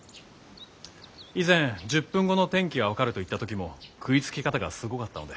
以前１０分後の天気が分かると言った時も食いつき方がすごかったので。